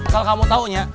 kalau kamu taunya